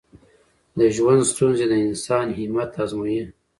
د ژوند ستونزې د انسان همت ازمويي.